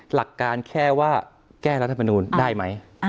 หลักการแค่ว่าแก้รัฐมนูลได้ไหม